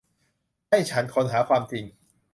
ให้ฉันค้นหาความจริง